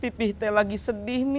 pipih teh lagi sedih nih